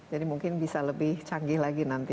jadi mungkin bisa lebih canggih lagi nanti